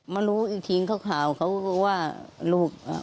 มารู้อีกทีมันข่าวเขาก็ว่าลูก